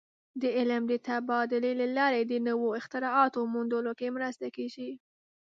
د علم د تبادلې له لارې د نوو اختراعاتو موندلو کې مرسته کېږي.